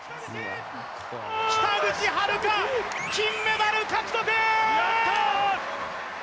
北口榛花、金メダル獲得！